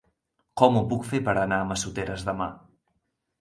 Com ho puc fer per anar a Massoteres demà?